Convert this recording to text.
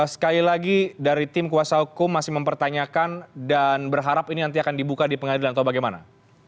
sekali lagi dari tim kuasa hukum masih mempertanyakan dan berharap ini nanti akan dibuka di pengadilan atau bagaimana